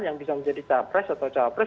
yang bisa menjadi capres atau cawapres